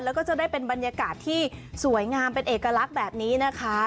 แล้วก็จะได้เป็นบรรยากาศที่สวยงามเป็นเอกลักษณ์แบบนี้นะคะ